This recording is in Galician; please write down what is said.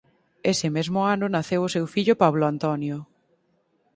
Ese mesmo ano naceu o seu fillo Pablo Antonio.